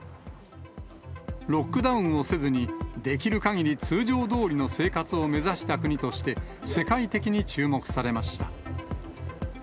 ロックダウンをせずに、できるかぎり通常どおりの生活を目指した国として、世界的に注目されました。